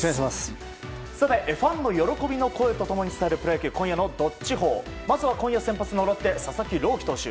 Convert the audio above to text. ファンの喜びの声と共に伝えるプロ野球今夜の「＃どっちほー」まずは今夜先発のロッテの佐々木朗希投手。